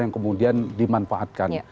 yang kemudian dimanfaatkan